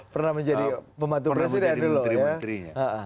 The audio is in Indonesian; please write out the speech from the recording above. pernah menjadi pembantu presiden dulu ya